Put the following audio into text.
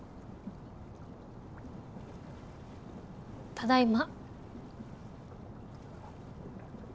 ただいま。